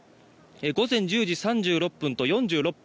午前１０時３６分と４６分